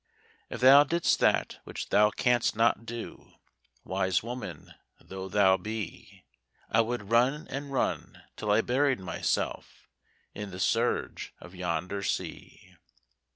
'If thou didst that which thou canst not do, Wise woman though thou be, I would run and run till I buried myself In the surge of yonder sea.